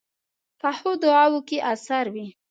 پخو دعاوو کې اثر وي